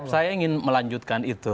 saya ingin melanjutkan itu